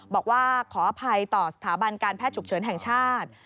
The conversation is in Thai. บอกว่าขออภัยต่อสถาบันการแพทย์ฉุกเฉินแห่งชาติ